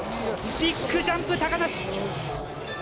ビッグジャンプ、高梨。